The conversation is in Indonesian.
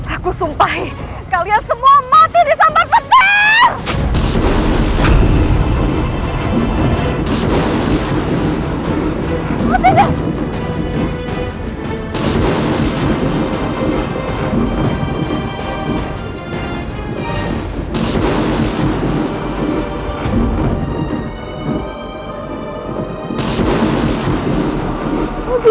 aku sumpahi kalian semua mati di sambal petir